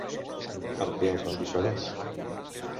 Amb què els van disparar?